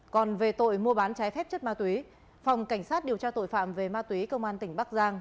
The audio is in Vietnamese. còn về tội mua bán trái phép chất ma túy phòng cảnh sát điều tra tội phạm về ma túy công an tỉnh bắc giang